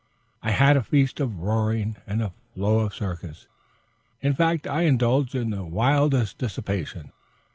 I had a feast of roaring and a flow of circus. In fact I indulged in the wildest dissipation.